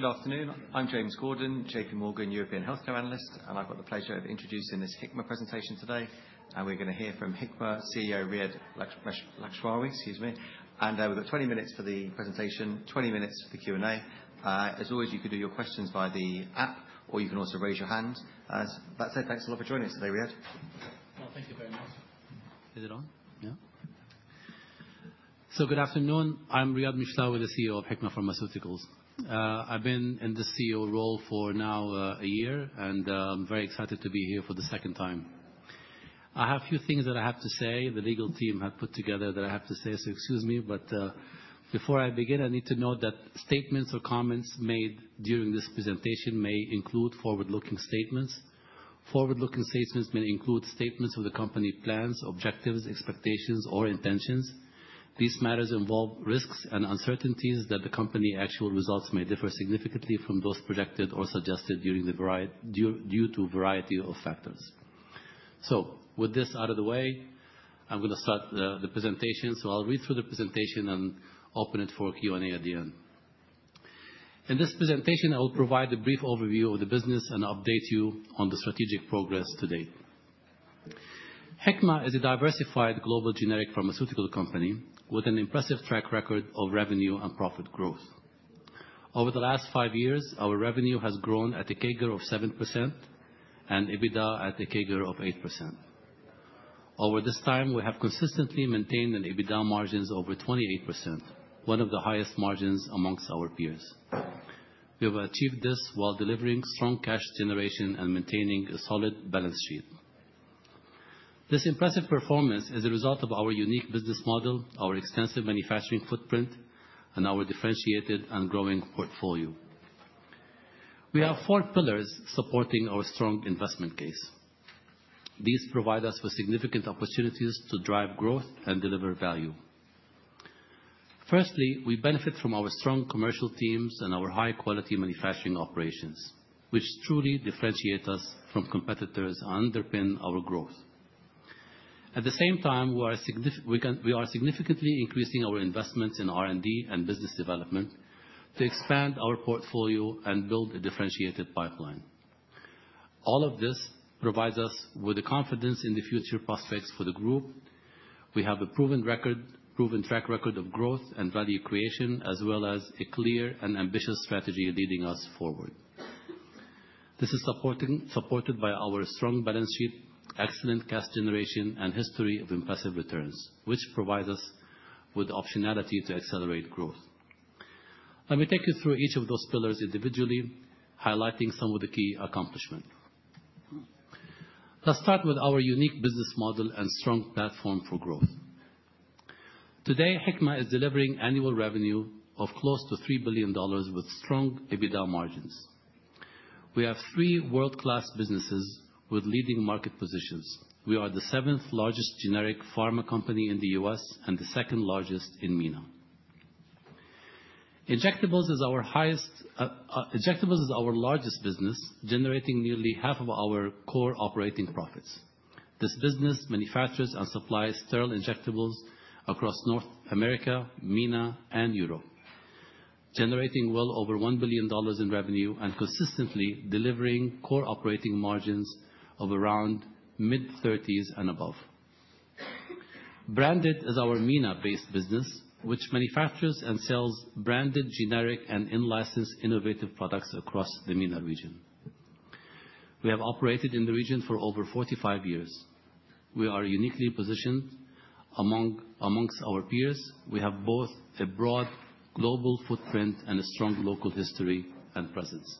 Good afternoon. I'm James Gordon, JPMorgan European Healthcare Analyst, and I've got the pleasure of introducing this Hikma presentation today, and we're going to hear from Hikma CEO Riad Mishlawi, excuse me, and we've got 20 minutes for the presentation, 20 minutes for the Q&A. As always, you can do your questions via the app, or you can also raise your hand. That said, thanks a lot for joining us today, Riad. Thank you very much. So, good afternoon. I'm Riad Mishlawi, the CEO of Hikma Pharmaceuticals. I've been in the CEO role for now a year, and I'm very excited to be here for the second time. I have a few things that I have to say. The legal team had put together that I have to say, so excuse me. But before I begin, I need to note that statements or comments made during this presentation may include forward-looking statements. Forward-looking statements may include statements of the company plans, objectives, expectations, or intentions. These matters involve risks and uncertainties that the company's actual results may differ significantly from those projected or suggested due to a variety of factors. So, with this out of the way, I'm going to start the presentation. So, I'll read through the presentation and open it for Q&A at the end. In this presentation, I will provide a brief overview of the business and update you on the strategic progress to date. Hikma is a diversified global generic pharmaceutical company with an impressive track record of revenue and profit growth. Over the last five years, our revenue has grown at a CAGR of 7% and EBITDA at a CAGR of 8%. Over this time, we have consistently maintained an EBITDA margin of over 28%, one of the highest margins among our peers. We have achieved this while delivering strong cash generation and maintaining a solid balance sheet. This impressive performance is a result of our unique business model, our extensive manufacturing footprint, and our differentiated and growing portfolio. We have four pillars supporting our strong investment case. These provide us with significant opportunities to drive growth and deliver value. Firstly, we benefit from our strong commercial teams and our high-quality manufacturing operations, which truly differentiate us from competitors and underpin our growth. At the same time, we are significantly increasing our investments in R&D and business development to expand our portfolio and build a differentiated pipeline. All of this provides us with confidence in the future prospects for the group. We have a proven track record of growth and value creation, as well as a clear and ambitious strategy leading us forward. This is supported by our strong balance sheet, excellent cash generation, and history of impressive returns, which provides us with the optionality to accelerate growth. Let me take you through each of those pillars individually, highlighting some of the key accomplishments. Let's start with our unique business model and strong platform for growth. Today, Hikma is delivering annual revenue of close to $3 billion with strong EBITDA margins. We have three world-class businesses with leading market positions. We are the seventh-largest generic pharma company in the U.S. and the second-largest in MENA. Injectables is our largest business, generating nearly half of our core operating profits. This business manufactures and supplies sterile injectables across North America, MENA, and Europe, generating well over $1 billion in revenue and consistently delivering core operating margins of around mid-30s% and above. Branded is our MENA-based business, which manufactures and sells branded generic and in-licensed innovative products across the MENA region. We have operated in the region for over 45 years. We are uniquely positioned amongst our peers. We have both a broad global footprint and a strong local history and presence.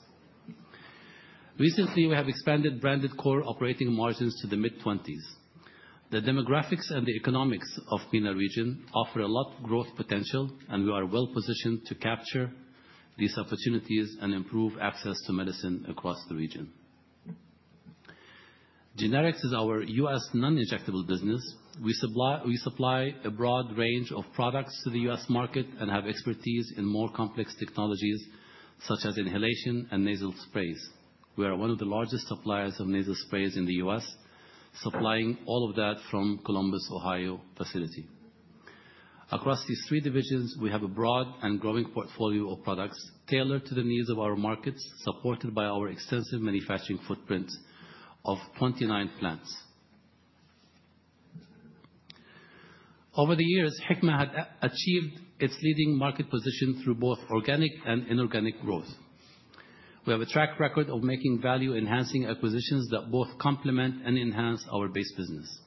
Recently, we have expanded branded core operating margins to the mid-20s%. The demographics and the economics of the MENA region offer a lot of growth potential, and we are well-positioned to capture these opportunities and improve access to medicine across the region. Generics is our U.S. non-injectable business. We supply a broad range of products to the U.S. market and have expertise in more complex technologies such as inhalation and nasal sprays. We are one of the largest suppliers of nasal sprays in the U.S., supplying all of that from Columbus, Ohio facility. Across these three divisions, we have a broad and growing portfolio of products tailored to the needs of our markets, supported by our extensive manufacturing footprint of 29 plants. Over the years, Hikma had achieved its leading market position through both organic and inorganic growth. We have a track record of making value-enhancing acquisitions that both complement and enhance our base business.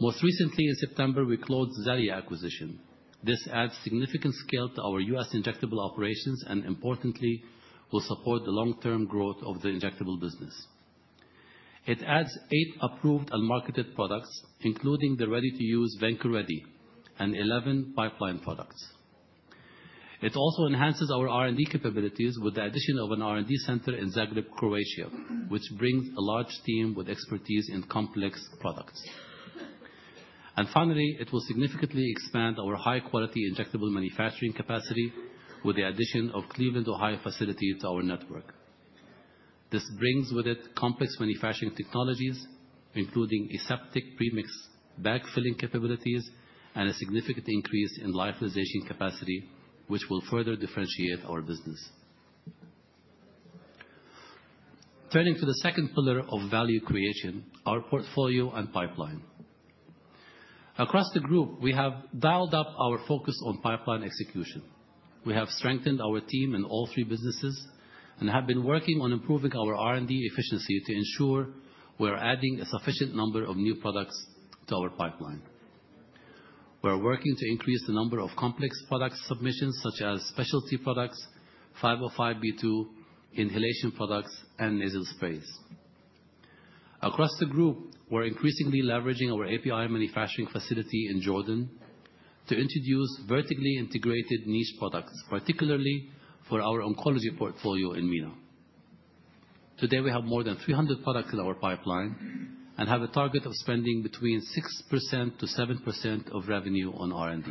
Most recently, in September, we closed Xellia acquisition. This adds significant scale to our U.S. injectable operations and, importantly, will support the long-term growth of the injectable business. It adds eight approved and marketed products, including the ready-to-use Vanco Ready and 11 pipeline products. It also enhances our R&D capabilities with the addition of an R&D center in Zagreb, Croatia, which brings a large team with expertise in complex products. And finally, it will significantly expand our high-quality injectable manufacturing capacity with the addition of Cleveland, Ohio facility to our network. This brings with it complex manufacturing technologies, including aseptic premixed bag filling capabilities and a significant increase in lyophilization capacity, which will further differentiate our business. Turning to the second pillar of value creation, our portfolio and pipeline. Across the group, we have dialed up our focus on pipeline execution. We have strengthened our team in all three businesses and have been working on improving our R&D efficiency to ensure we are adding a sufficient number of new products to our pipeline. We are working to increase the number of complex product submissions, such as specialty products, 505(b)(2) inhalation products, and nasal sprays. Across the group, we're increasingly leveraging our API manufacturing facility in Jordan to introduce vertically integrated niche products, particularly for our oncology portfolio in MENA. Today, we have more than 300 products in our pipeline and have a target of spending between 6%-7% of revenue on R&D.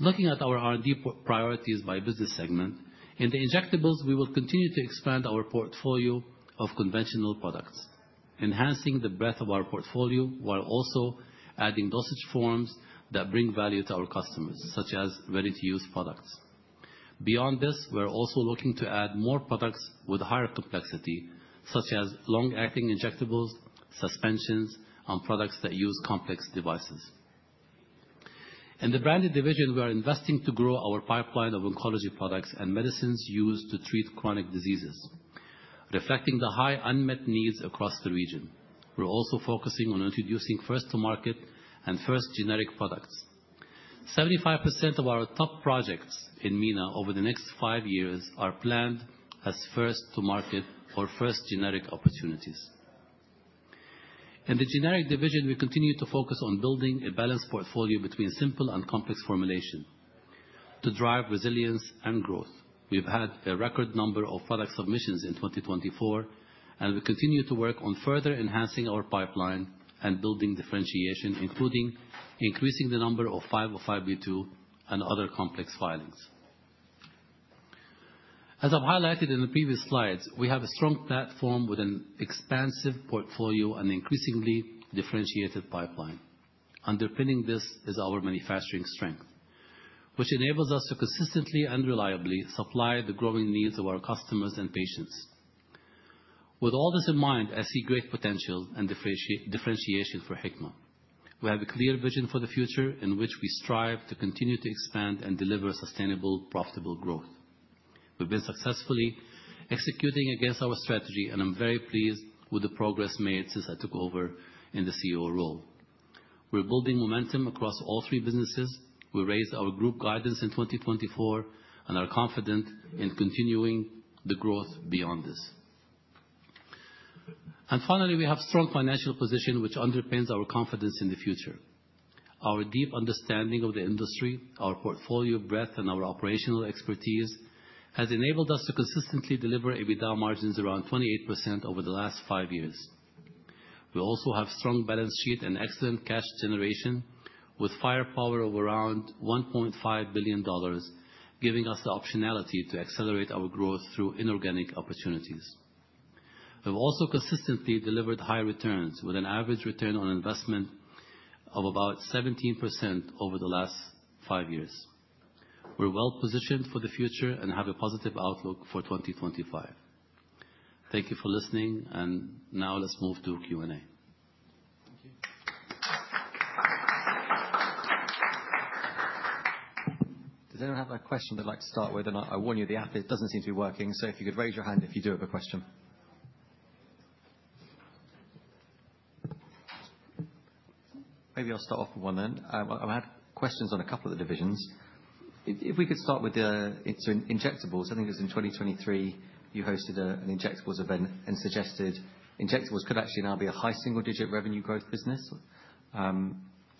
Looking at our R&D priorities by business segment, in the injectables, we will continue to expand our portfolio of conventional products, enhancing the breadth of our portfolio while also adding dosage forms that bring value to our customers, such as ready-to-use products. Beyond this, we're also looking to add more products with higher complexity, such as long-acting injectables, suspensions, and products that use complex devices. In the branded division, we are investing to grow our pipeline of oncology products and medicines used to treat chronic diseases, reflecting the high unmet needs across the region. We're also focusing on introducing first-to-market and first-generic products. 75% of our top projects in MENA over the next five years are planned as first-to-market or first-generic opportunities. In the generic division, we continue to focus on building a balanced portfolio between simple and complex formulation to drive resilience and growth. We've had a record number of product submissions in 2024, and we continue to work on further enhancing our pipeline and building differentiation, including increasing the number of 505(b)(2) and other complex filings. As I've highlighted in the previous slides, we have a strong platform with an expansive portfolio and increasingly differentiated pipeline. Underpinning this is our manufacturing strength, which enables us to consistently and reliably supply the growing needs of our customers and patients. With all this in mind, I see great potential and differentiation for Hikma. We have a clear vision for the future in which we strive to continue to expand and deliver sustainable, profitable growth. We've been successfully executing against our strategy, and I'm very pleased with the progress made since I took over in the CEO role. We're building momentum across all three businesses. We raised our group guidance in 2024 and are confident in continuing the growth beyond this. And finally, we have a strong financial position, which underpins our confidence in the future. Our deep understanding of the industry, our portfolio breadth, and our operational expertise has enabled us to consistently deliver EBITDA margins around 28% over the last five years. We also have a strong balance sheet and excellent cash generation with firepower of around $1.5 billion, giving us the optionality to accelerate our growth through inorganic opportunities. We've also consistently delivered high returns with an average return on investment of about 17% over the last five years. We're well-positioned for the future and have a positive outlook for 2025. Thank you for listening, and now let's move to Q&A. Does anyone have a question they'd like to start with? And I warn you, the app doesn't seem to be working. So if you could raise your hand if you do have a question. Maybe I'll start off with one then. I had questions on a couple of the divisions. If we could start with the injectables, I think it was in 2023 you hosted an injectables event and suggested injectables could actually now be a high single-digit revenue growth business.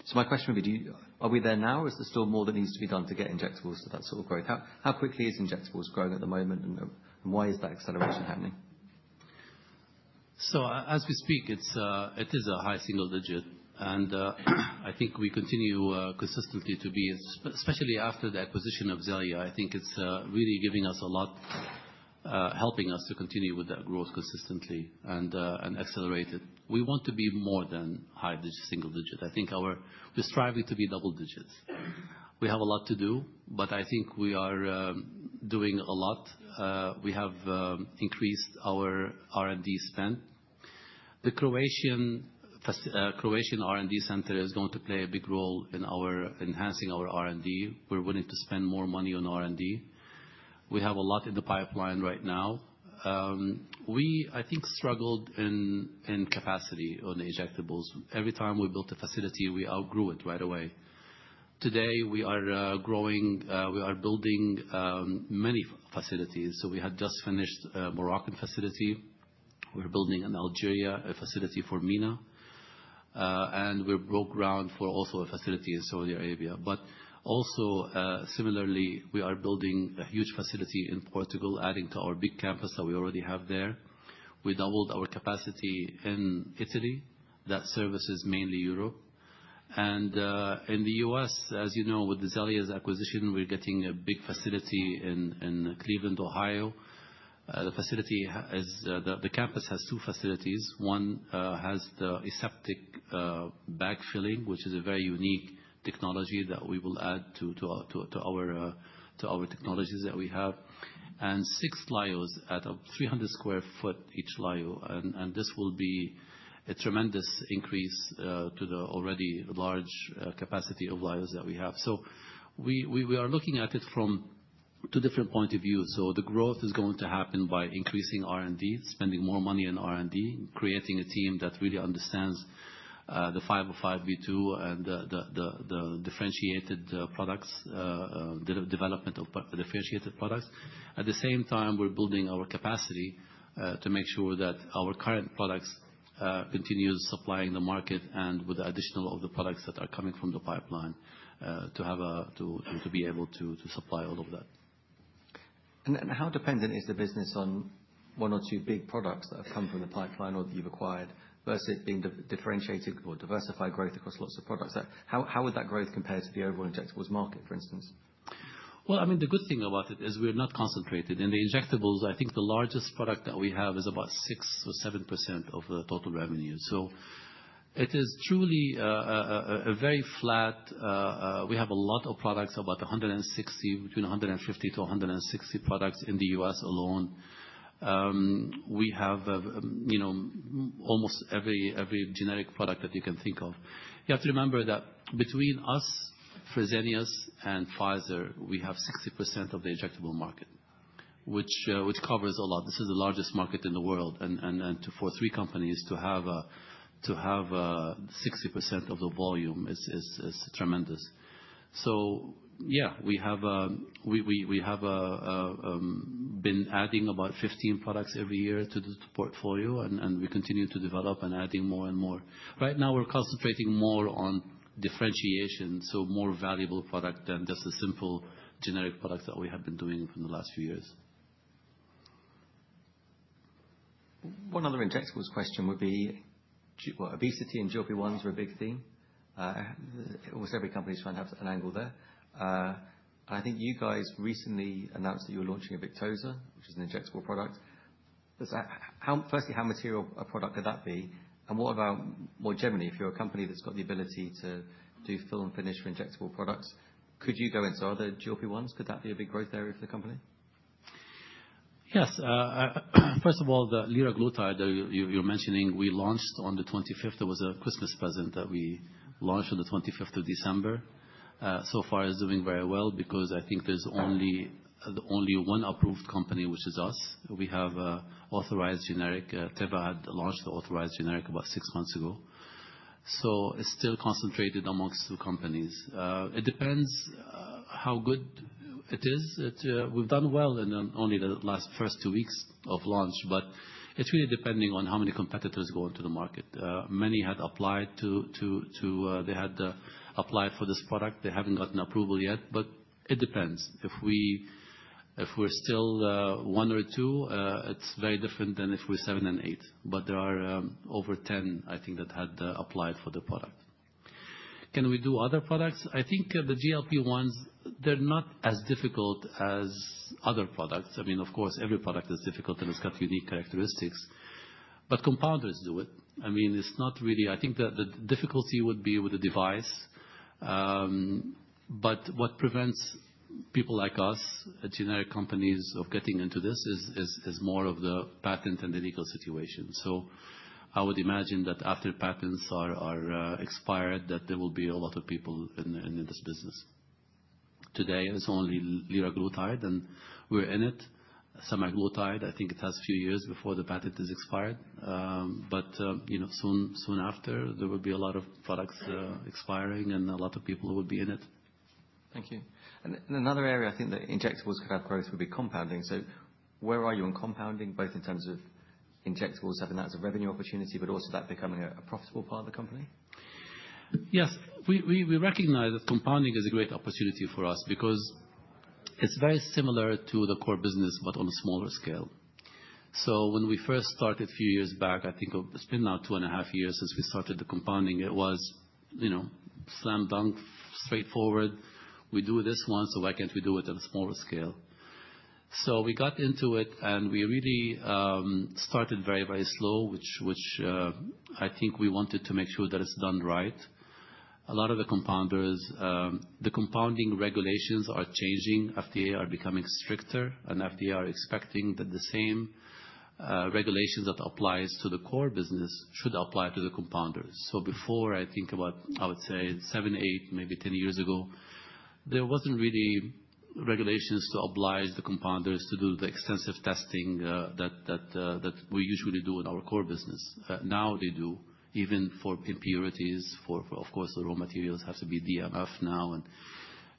So my question would be, are we there now, or is there still more that needs to be done to get injectables to that sort of growth? How quickly is injectables growing at the moment, and why is that acceleration happening? As we speak, it is a high single-digit, and I think we continue consistently to be, especially after the acquisition of Xellia. I think it's really giving us a lot, helping us to continue with that growth consistently and accelerate it. We want to be more than high single-digit. I think we're striving to be double digits. We have a lot to do, but I think we are doing a lot. We have increased our R&D spend. The Croatian R&D center is going to play a big role in enhancing our R&D. We're willing to spend more money on R&D. We have a lot in the pipeline right now. We, I think, struggled in capacity on the injectables. Every time we built a facility, we outgrew it right away. Today, we are growing. We are building many facilities. We had just finished a Moroccan facility. We're building in Algeria a facility for MENA, and we broke ground for also a facility in Saudi Arabia, but also, similarly, we are building a huge facility in Portugal, adding to our big campus that we already have there. We doubled our capacity in Italy. That services mainly Europe, and in the U.S., as you know, with the Xellia's acquisition, we're getting a big facility in Cleveland, Ohio. The campus has two facilities. One has the aseptic bag filling, which is a very unique technology that we will add to our technologies that we have, and six lyos at 300 sq ft each lyo, and this will be a tremendous increase to the already large capacity of lyos that we have, so we are looking at it from two different points of view. So the growth is going to happen by increasing R&D, spending more money on R&D, creating a team that really understands the 505(b)(2) and the differentiated products, development of differentiated products. At the same time, we're building our capacity to make sure that our current products continue supplying the market and with the additional of the products that are coming from the pipeline to be able to supply all of that. How dependent is the business on one or two big products that have come from the pipeline or that you've acquired versus it being differentiated or diversified growth across lots of products? How would that growth compare to the overall injectables market, for instance? Well, I mean, the good thing about it is we're not concentrated in the injectables. I think the largest product that we have is about 6% or 7% of the total revenue. So it is truly a very flat. We have a lot of products, about 160, between 150-160 products in the U.S. alone. We have almost every generic product that you can think of. You have to remember that between us, Fresenius, and Pfizer, we have 60% of the injectable market, which covers a lot. This is the largest market in the world. And for three companies to have 60% of the volume is tremendous. So yeah, we have been adding about 15 products every year to the portfolio, and we continue to develop and adding more and more. Right now, we're concentrating more on differentiation, so more valuable product than just a simple generic product that we have been doing for the last few years. One other injectables question would be obesity and GLP-1s were a big theme. Almost every company is trying to have an angle there, and I think you guys recently announced that you're launching a Victoza, which is an injectable product. Firstly, how material a product could that be? What about more generally, if you're a company that's got the ability to do fill and finish for injectable products, could you go into other GLP-1s? Could that be a big growth area for the company? Yes. First of all, the liraglutide that you're mentioning, we launched on the 25th. It was a Christmas present that we launched on the 25th of December. So far, it's doing very well because I think there's only one approved company, which is us. We have authorized generic. Teva had launched the authorized generic about six months ago. So it's still concentrated among two companies. It depends how good it is. We've done well in only the last first two weeks of launch, but it's really depending on how many competitors go into the market. Many had applied for this product. They haven't gotten approval yet, but it depends. If we're still one or two, it's very different than if we're seven and eight. But there are over 10, I think, that had applied for the product. Can we do other products? I think the GLP-1s, they're not as difficult as other products. I mean, of course, every product is difficult and it's got unique characteristics, but compounders do it. I mean, it's not really. I think the difficulty would be with the device, but what prevents people like us at generic companies of getting into this is more of the patent and the legal situation. So I would imagine that after patents are expired, that there will be a lot of people in this business. Today, it's only liraglutide, and we're in it. Semaglutide, I think it has a few years before the patent is expired. But soon after, there will be a lot of products expiring and a lot of people will be in it. Thank you. And another area I think that injectables could have growth would be compounding. So where are you in compounding, both in terms of injectables having that as a revenue opportunity, but also that becoming a profitable part of the company? Yes. We recognize that compounding is a great opportunity for us because it's very similar to the core business, but on a smaller scale. So when we first started a few years back, I think it's been now two and a half years since we started the compounding. It was slam dunk, straightforward. We do this once, so why can't we do it on a smaller scale? So we got into it and we really started very, very slow, which I think we wanted to make sure that it's done right. A lot of the compounders, the compounding regulations are changing. FDA are becoming stricter, and FDA are expecting that the same regulations that apply to the core business should apply to the compounders. So before, I think about, I would say, seven, eight, maybe 10 years ago, there wasn't really regulations to oblige the compounders to do the extensive testing that we usually do in our core business. Now they do, even for impurities. Of course, the raw materials have to be DMF now, and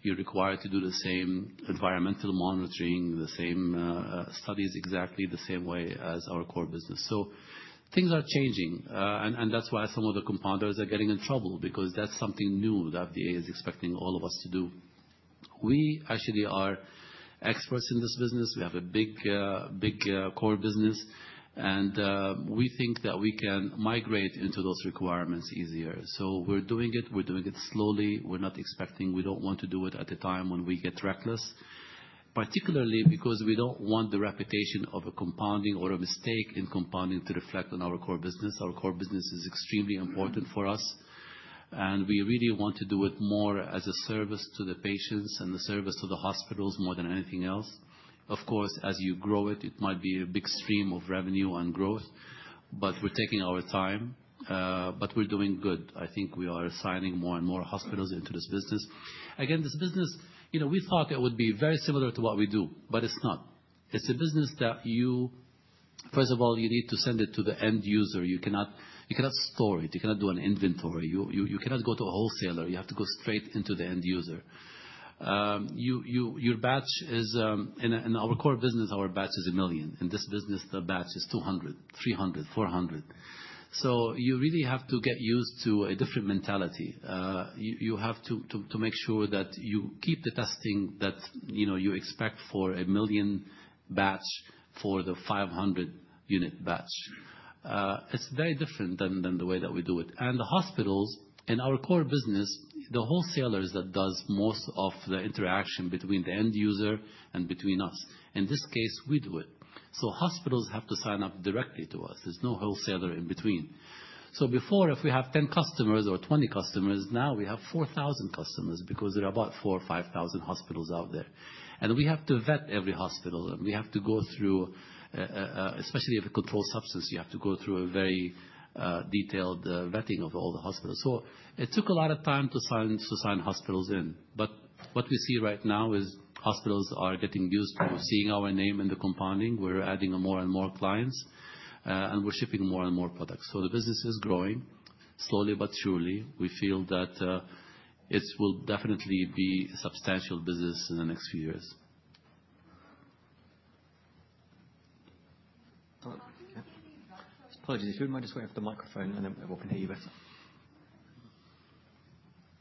you're required to do the same environmental monitoring, the same studies exactly the same way as our core business, so things are changing, and that's why some of the compounders are getting in trouble because that's something new that FDA is expecting all of us to do. We actually are experts in this business. We have a big core business, and we think that we can migrate into those requirements easier, so we're doing it. We're doing it slowly. We're not expecting, we don't want to do it at a time when we get reckless, particularly because we don't want the reputation of a compounding or a mistake in compounding to reflect on our core business. Our core business is extremely important for us, and we really want to do it more as a service to the patients and the service to the hospitals more than anything else. Of course, as you grow it, it might be a big stream of revenue and growth, but we're taking our time, but we're doing good. I think we are signing more and more hospitals into this business. Again, this business, we thought it would be very similar to what we do, but it's not. It's a business that you, first of all, you need to send it to the end user. You cannot store it. You cannot do an inventory. You cannot go to a wholesaler. You have to go straight into the end user. Your batch is in our core business, our batch is a million. In this business, the batch is 200, 300, 400. So you really have to get used to a different mentality. You have to make sure that you keep the testing that you expect for a million batch for the 500-unit batch. It's very different than the way that we do it, and the hospitals in our core business, the wholesalers that do most of the interaction between the end user and between us. In this case, we do it, so hospitals have to sign up directly to us. There's no wholesaler in between, so before, if we have 10 customers or 20 customers, now we have 4,000 customers because there are about 4,000 or 5,000 hospitals out there. We have to vet every hospital, and we have to go through, especially if it's a controlled substance, you have to go through a very detailed vetting of all the hospitals. So it took a lot of time to sign hospitals in. But what we see right now is hospitals are getting used to seeing our name in the compounding. We're adding more and more clients, and we're shipping more and more products. So the business is growing slowly, but surely. We feel that it will definitely be a substantial business in the next few years. Apologies. If you wouldn't mind, just wait for the microphone, and then we can hear you better.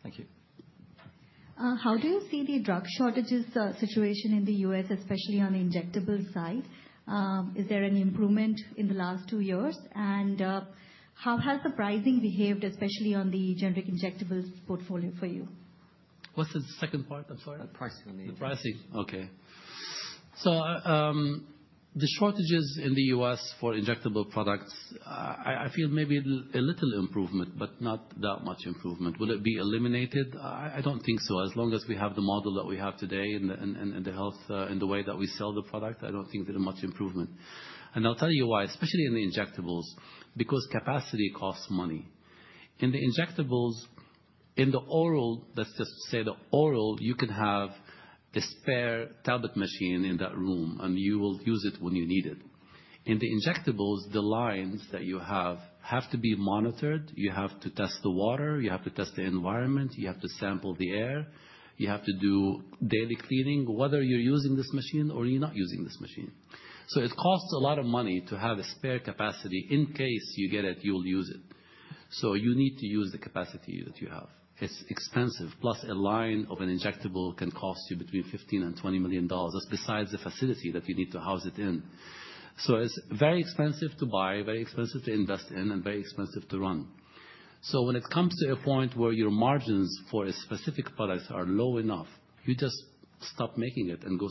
Thank you. How do you see the drug shortages situation in the U.S., especially on the injectable side? Is there any improvement in the last two years? And how has the pricing behaved, especially on the generic injectables portfolio for you? What's the second part? I'm sorry. The pricing on the injectables. The pricing. Okay, so the shortages in the U.S. for injectable products, I feel maybe a little improvement, but not that much improvement. Will it be eliminated? I don't think so. As long as we have the model that we have today and the way that we sell the product, I don't think there's much improvement, and I'll tell you why, especially in the injectables, because capacity costs money. In the injectables, in the oral, let's just say the oral, you can have a spare tablet machine in that room, and you will use it when you need it. In the injectables, the lines that you have to be monitored. You have to test the water. You have to test the environment. You have to sample the air. You have to do daily cleaning, whether you're using this machine or you're not using this machine. It costs a lot of money to have spare capacity. In case you get it, you'll use it. You need to use the capacity that you have. It's expensive. Plus, a line of an injectable can cost you between $15 and $20 million. That's besides the facility that you need to house it in. It's very expensive to buy, very expensive to invest in, and very expensive to run. When it comes to a point where your margins for a specific product are low enough, you just stop making it and go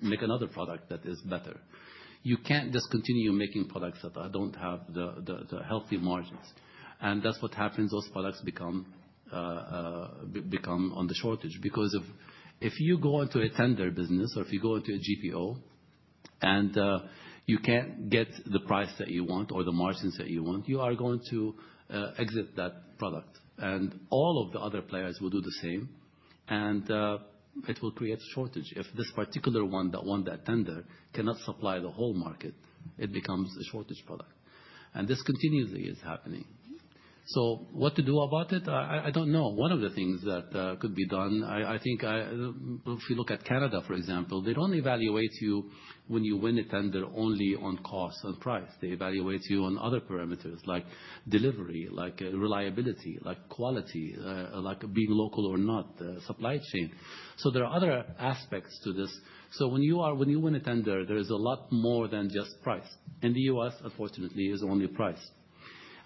make another product that is better. You can't just continue making products that don't have the healthy margins. That's what happens. Those products become on the shortage because if you go into a tender business or if you go into a GPO and you can't get the price that you want or the margins that you want, you are going to exit that product. And all of the other players will do the same, and it will create a shortage. If this particular one, that one that tender cannot supply the whole market, it becomes a shortage product. And this continuously is happening. So what to do about it? I don't know. One of the things that could be done, I think if you look at Canada, for example, they don't evaluate you when you win a tender only on cost and price. They evaluate you on other parameters like delivery, like reliability, like quality, like being local or not, supply chain. So there are other aspects to this. So when you win a tender, there is a lot more than just price. In the U.S., unfortunately, it is only price.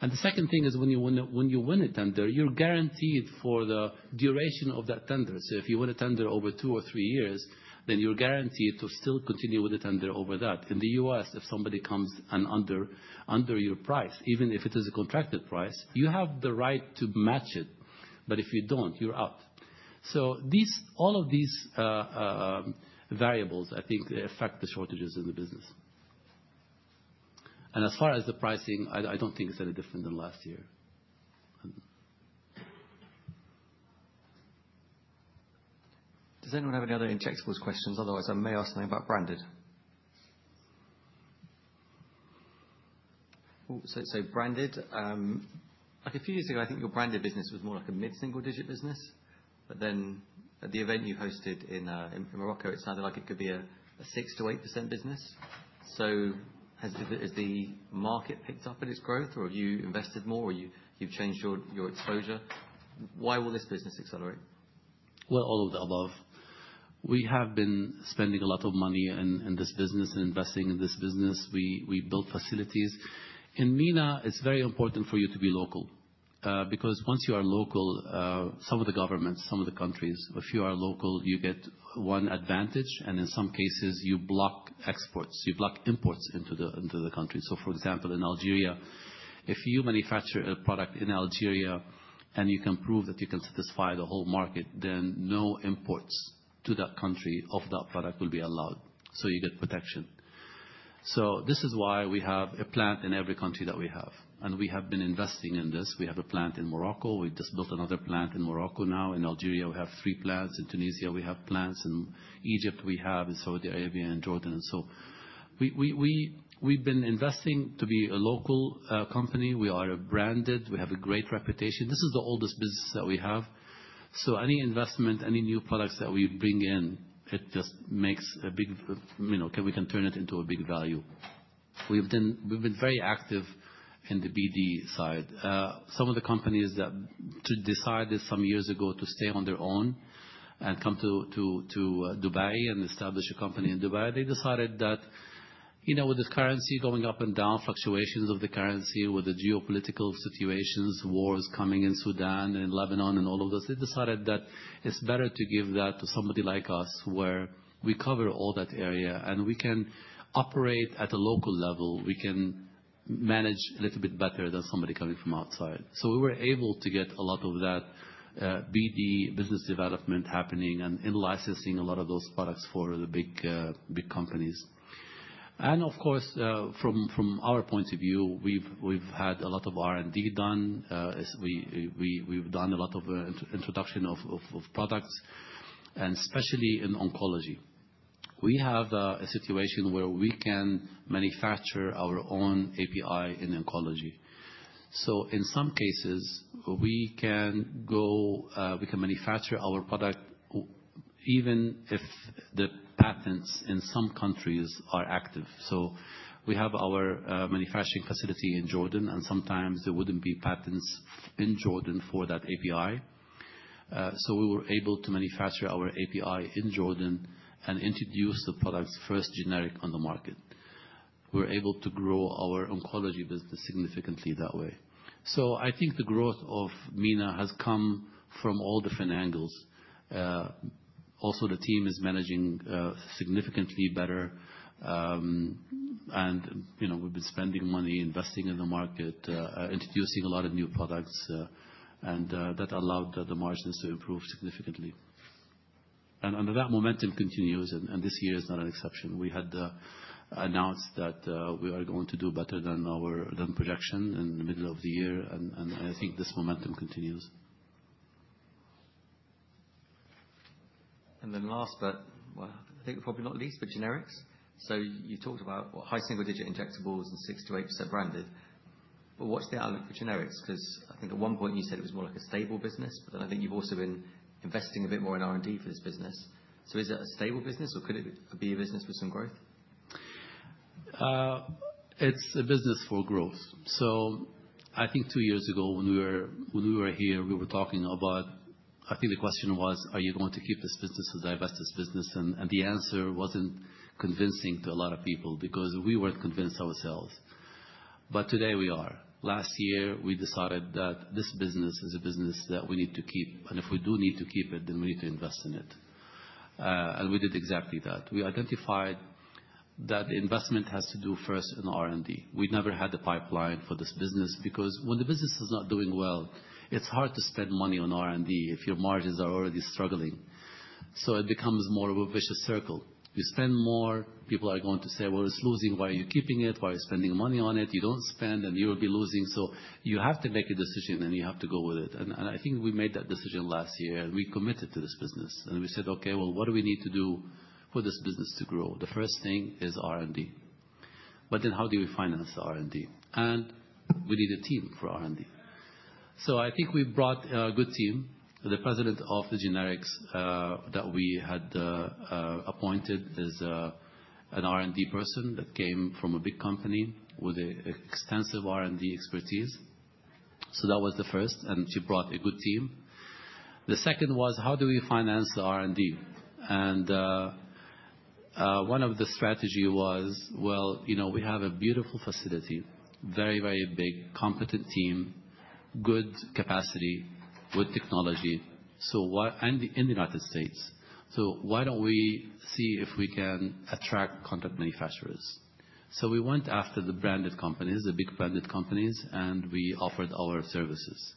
And the second thing is when you win a tender, you're guaranteed for the duration of that tender. So if you win a tender over two or three years, then you're guaranteed to still continue with a tender over that. In the U.S., if somebody comes under your price, even if it is a contracted price, you have the right to match it. But if you don't, you're out. So all of these variables, I think, affect the shortages in the business. And as far as the pricing, I don't think it's any different than last year. Does anyone have any other injectables questions? Otherwise, I may ask something about branded. Oh, so branded. A few years ago, I think your branded business was more like a mid-single-digit business. But then at the event you hosted in Morocco, it sounded like it could be a 6%-8% business. So has the market picked up at its growth, or have you invested more, or you've changed your exposure? Why will this business accelerate? All of the above. We have been spending a lot of money in this business and investing in this business. We built facilities. In MENA, it's very important for you to be local because once you are local, some of the governments, some of the countries, if you are local, you get one advantage, and in some cases, you block exports. You block imports into the country. So, for example, in Algeria, if you manufacture a product in Algeria and you can prove that you can satisfy the whole market, then no imports to that country of that product will be allowed. So you get protection. So this is why we have a plant in every country that we have. We have been investing in this. We have a plant in Morocco. We just built another plant in Morocco now. In Algeria, we have three plants. In Tunisia, we have plants. In Egypt, we have in Saudi Arabia and Jordan. And so we've been investing to be a local company. We are branded. We have a great reputation. This is the oldest business that we have. So any investment, any new products that we bring in, it just makes a big we can turn it into a big value. We've been very active in the BD side. Some of the companies that decided some years ago to stay on their own and come to Dubai and establish a company in Dubai, they decided that with the currency going up and down, fluctuations of the currency, with the geopolitical situations, wars coming in Sudan and Lebanon and all of those, they decided that it's better to give that to somebody like us where we cover all that area and we can operate at a local level. We can manage a little bit better than somebody coming from outside. So we were able to get a lot of that BD business development happening and in licensing a lot of those products for the big companies. And of course, from our point of view, we've had a lot of R&D done. We've done a lot of introduction of products, and especially in oncology. We have a situation where we can manufacture our own API in oncology. So in some cases, we can manufacture our product even if the patents in some countries are active. So we have our manufacturing facility in Jordan, and sometimes there wouldn't be patents in Jordan for that API. So we were able to manufacture our API in Jordan and introduce the products first-generic on the market. We were able to grow our oncology business significantly that way. So I think the growth of MENA has come from all different angles. Also, the team is managing significantly better. And we've been spending money, investing in the market, introducing a lot of new products, and that allowed the margins to improve significantly. And that momentum continues, and this year is not an exception. We had announced that we are going to do better than our projection in the middle of the year, and I think this momentum continues. And then last, but I think probably not least, but generics. So you talked about high single-digit% injectables and 6%-8% branded. But what's the outlook for generics? Because I think at one point you said it was more like a stable business, but then I think you've also been investing a bit more in R&D for this business. So is it a stable business, or could it be a business with some growth? It's a business for growth. So I think two years ago when we were here, we were talking about, I think the question was, are you going to keep this business or divest this business? And the answer wasn't convincing to a lot of people because we weren't convinced ourselves. But today we are. Last year, we decided that this business is a business that we need to keep. And if we do need to keep it, then we need to invest in it. And we did exactly that. We identified that the investment has to do first in R&D. We never had a pipeline for this business because when the business is not doing well, it's hard to spend money on R&D if your margins are already struggling. So it becomes more of a vicious circle. You spend more, people are going to say, well, it's losing. Why are you keeping it? Why are you spending money on it? You don't spend, and you will be losing. So you have to make a decision, and you have to go with it. And I think we made that decision last year, and we committed to this business. And we said, okay, well, what do we need to do for this business to grow? The first thing is R&D. But then how do we finance R&D? And we need a team for R&D. So I think we brought a good team. The president of the generics that we had appointed is an R&D person that came from a big company with extensive R&D expertise. So that was the first, and she brought a good team. The second was, how do we finance R&D? One of the strategies was, well, we have a beautiful facility, very, very big, competent team, good capacity, good technology, and in the United States. So why don't we see if we can attract contract manufacturers? So we went after the branded companies, the big branded companies, and we offered our services.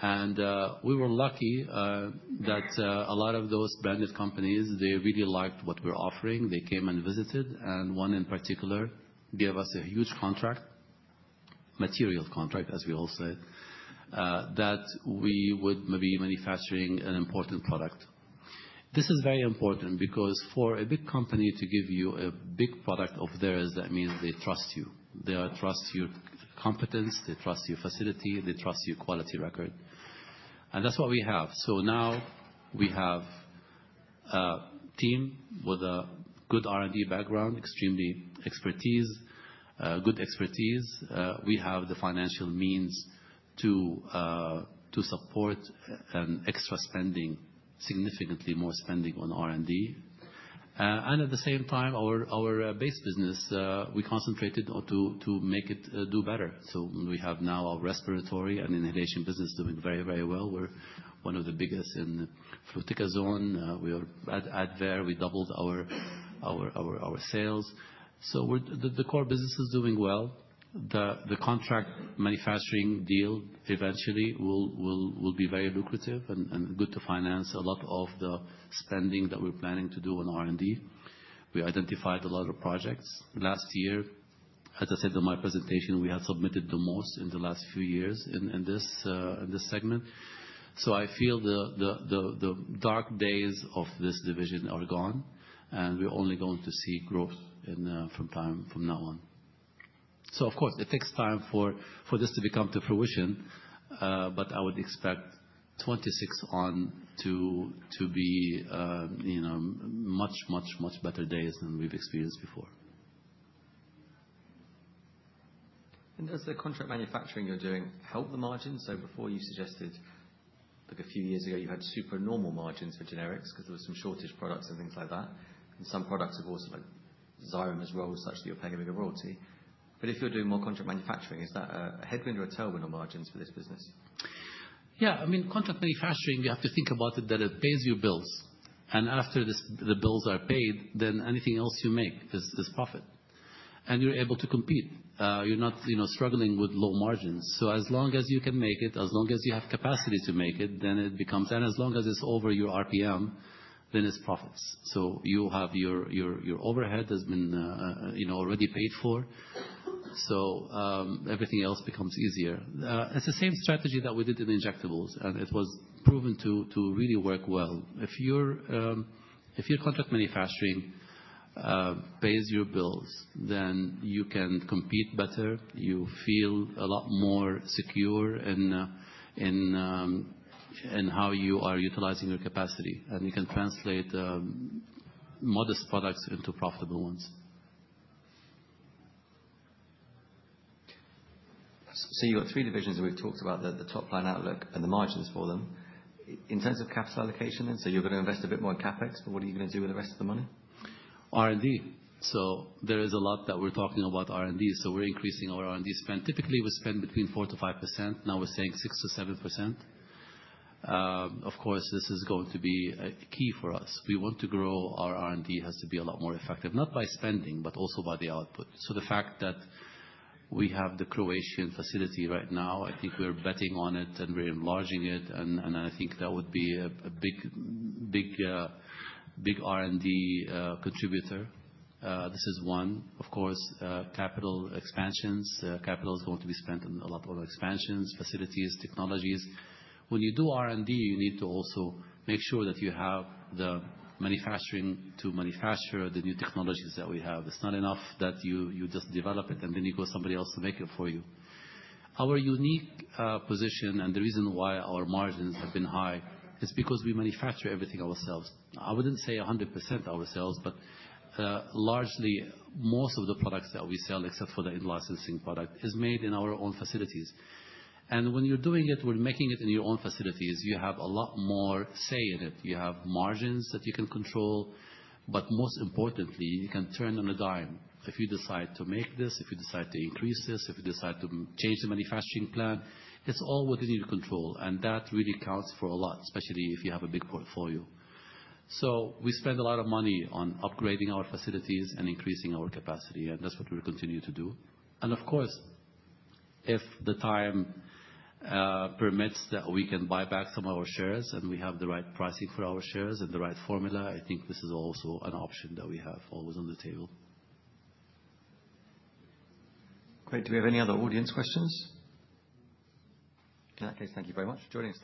And we were lucky that a lot of those branded companies, they really liked what we're offering. They came and visited, and one in particular gave us a huge contract, material contract, as we all said, that we would be manufacturing an important product. This is very important because for a big company to give you a big product of theirs, that means they trust you. They trust your competence. They trust your facility. They trust your quality record. And that's what we have. Now we have a team with a good R&D background, extremely good expertise. We have the financial means to support and extra spending, significantly more spending on R&D. At the same time, our base business, we concentrated on to make it do better. We have now our respiratory and inhalation business doing very, very well. We're one of the biggest in the fluticasone. We are at there. We doubled our sales. The core business is doing well. The contract manufacturing deal eventually will be very lucrative and good to finance a lot of the spending that we're planning to do on R&D. We identified a lot of projects last year. As I said in my presentation, we had submitted the most in the last few years in this segment. I feel the dark days of this division are gone, and we're only going to see growth from now on. Of course, it takes time for this to come to fruition, but I would expect 2026 on to be much, much, much better days than we've experienced before. Does the contract manufacturing you're doing help the margins? So before you suggested a few years ago, you had super normal margins for generics because there were some shortage products and things like that. And some products have also like Xyrem has rolled such that you're paying a bigger royalty. But if you're doing more contract manufacturing, is that a headwind or a tailwind on margins for this business? Yeah. I mean, contract manufacturing, you have to think about it that it pays your bills. And after the bills are paid, then anything else you make is profit. And you're able to compete. You're not struggling with low margins. So as long as you can make it, as long as you have capacity to make it, then it becomes as long as it's over your RPM, then it's profits. So you'll have your overhead that's been already paid for. So everything else becomes easier. It's the same strategy that we did in injectables, and it was proven to really work well. If your contract manufacturing pays your bills, then you can compete better. You feel a lot more secure in how you are utilizing your capacity, and you can translate modest products into profitable ones. So you've got three divisions, and we've talked about the top line outlook and the margins for them. In terms of capital allocation, then, so you're going to invest a bit more in CapEx, but what are you going to do with the rest of the money? R&D. So there is a lot that we're talking about R&D. So we're increasing our R&D spend. Typically, we spend between 4%-5%. Now we're saying 6%-7%. Of course, this is going to be key for us. We want to grow our R&D has to be a lot more effective, not by spending, but also by the output. So the fact that we have the Croatian facility right now, I think we're betting on it and we're enlarging it. And I think that would be a big R&D contributor. This is one. Of course, capital expansions. Capital is going to be spent on a lot of expansions, facilities, technologies. When you do R&D, you need to also make sure that you have the manufacturing to manufacture the new technologies that we have. It's not enough that you just develop it and then you go to somebody else to make it for you. Our unique position and the reason why our margins have been high is because we manufacture everything ourselves. I wouldn't say 100% ourselves, but largely most of the products that we sell, except for the in-licensing product, is made in our own facilities. And when you're doing it, when making it in your own facilities, you have a lot more say in it. You have margins that you can control, but most importantly, you can turn on a dime. If you decide to make this, if you decide to increase this, if you decide to change the manufacturing plan, it's all within your control. And that really counts for a lot, especially if you have a big portfolio. So we spend a lot of money on upgrading our facilities and increasing our capacity, and that's what we'll continue to do. And of course, if the time permits that we can buy back some of our shares and we have the right pricing for our shares and the right formula, I think this is also an option that we have always on the table. Great. Do we have any other audience questions? In that case, thank you very much for joining us.